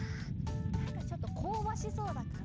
なんかちょっとこうばしそうだから。